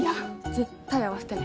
絶対会わせてね。